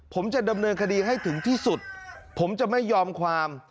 ผมจะดำเนินคดีให้ถึงที่สุดผมจะไม่ยอมความ